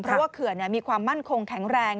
เพราะว่าเขื่อนมีความมั่นคงแข็งแรง